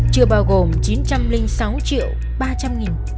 chưa bao gồm chín trăm linh sáu triệu ba trăm linh nghìn